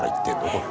これ。